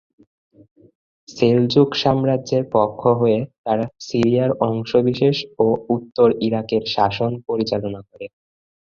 Seljuk সাম্রাজ্যের পক্ষ হয়ে তারা সিরিয়ার অংশবিশেষ ও উত্তর ইরাকের শাসন পরিচালনা করে।